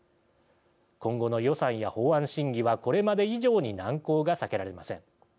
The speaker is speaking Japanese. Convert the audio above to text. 今後の予算や法案審議はこれまで以上に難航が避けられません。